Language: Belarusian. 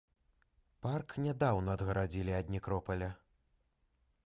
Парк нядаўна адгарадзілі ад некропаля.